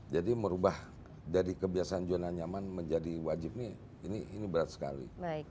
jadi merubah dari kebiasaan jualan nyaman menjadi wajib nih ini berat sekali